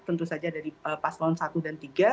tentu saja dari paslon satu dan tiga